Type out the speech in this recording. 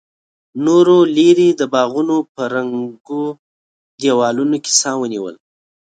نورو ليرې د باغونو په ړنګو دېوالونو کې سا ونيوله.